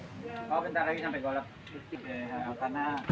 oh bentar lagi sampai golek